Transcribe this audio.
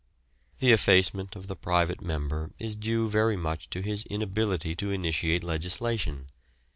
The effacement of the private member is due very much to his inability to initiate legislation.